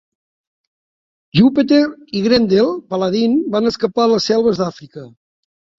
Jupiter i Grendel paladin van escapar a les selves d'Àfrica.